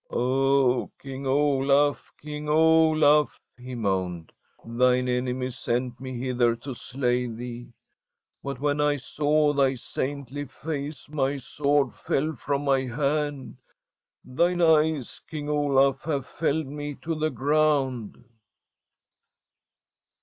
•Oh, King Olaf! King Olaf!' he moaned. • Thine enemies sent me hither to slay thee ; but when I saw thv saintiv face mv sword fell from ••* my hand. Thine eyes. King Olaf, have feUed me lo the ground.'